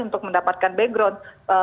untuk mendapatkan background